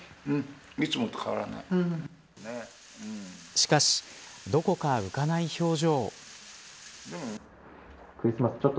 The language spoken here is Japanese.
しかし、どこか浮かない表情。